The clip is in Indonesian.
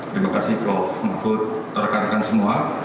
terima kasih prof mahfud rekan rekan semua